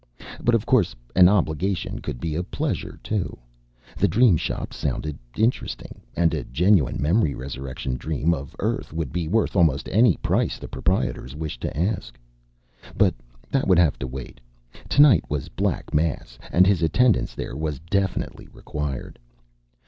But of course, an obligation could be a pleasure, too. The Dream Shop sounded interesting. And a genuine memory resurrection dream of Earth would be worth almost any price the proprietors wished to ask. But that would have to wait. Tonight was Black Mass, and his attendance there was definitely required.